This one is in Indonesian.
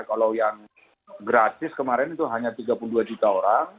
kalau yang gratis kemarin itu hanya tiga puluh dua juta orang